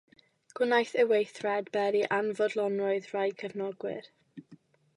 Gwnaeth y weithred beri anfodlonrwydd rhai cefnogwyr.